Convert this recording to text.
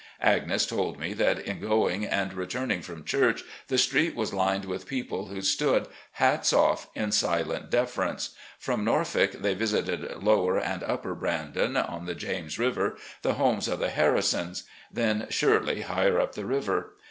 Agnes told me that in going and returning from church the street was lined with people who stood, hats off, in silent deference. From Norfolk they visited "Lower" and "Upper Brandon" on the James River, the homes of the Harrisons ; then " Shirley," higher up the river.